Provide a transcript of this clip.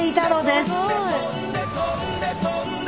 すごい。